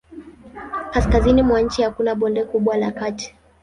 Kaskazini mwa nchi hakuna bonde kubwa la kati.